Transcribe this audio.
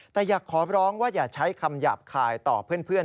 แต่อยากขอร้องว่าอย่าใช้คำหยาบคายต่อเพื่อน